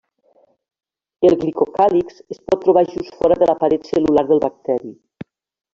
El glicocàlix es pot trobar just fora de la paret cel·lular del bacteri.